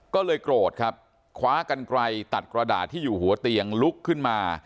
ก็เลยโกรธครับคว้ากันไกลตัดกระดาษที่อยู่หัวเตียงลุกขึ้นมา